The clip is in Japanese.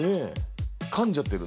かんじゃってる。